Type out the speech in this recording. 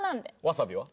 わさびは？